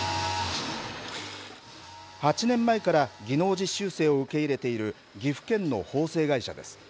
８年前から技能実習生を受け入れている岐阜県の縫製会社です。